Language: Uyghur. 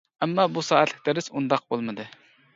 ئەمما بۇ سائەتلىك دەرس ئۇنداق بولمىدى.